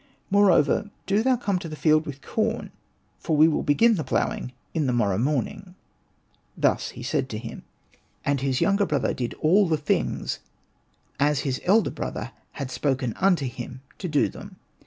More over, do thou come to the field with corn, for we will begin the ploughing in the mor row morning.'' Thus said he to him ; and Hosted by Google ANPU AND BATA 39 his younger brother did all things as his elder brother had spoken unto him to do them.